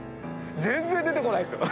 全然出てこないんすよ。